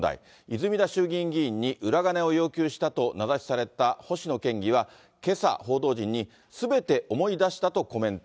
泉田衆議院議員に裏金を要求したと名指しされた星野県議はけさ、報道陣に、すべて思い出したとコメント。